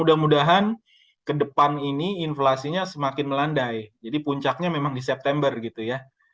mudah mudahan ke depan ini inflasinya semakin melandai jadi puncaknya memang di september gitu ya